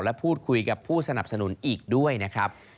และพูดคุยกับผู้สนับสนุนอีกด้วยนะครับ